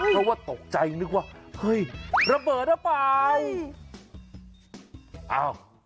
เพราะว่าตกใจนึกว่าเฮ้ยระเบิดหรือเปล่า